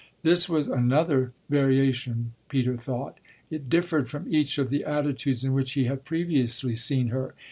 This was another variation Peter thought; it differed from each of the attitudes in which he had previously seen her.